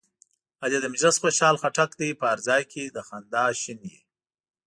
علي د مجلس خوشحال خټک دی، په هر ځای کې له خندا شین وي.